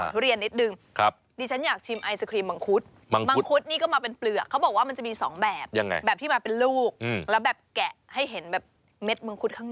ก็เรามีมังคุ้นเรามีทุเรียนที่รสชาติเหมือน